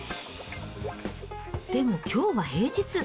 でもきょうは平日。